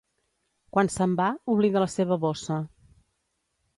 Quan se'n va, oblida la seva bossa.